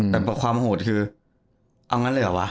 แต่ความโหดคือเอางั้นเลยเหรอวะ